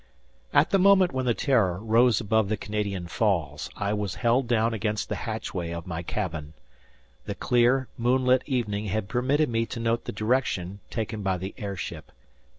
At the moment when the "Terror" rose above the Canadian Falls, I was held down against the hatchway of my cabin. The clear, moonlit evening had permitted me to note the direction taken by the air ship.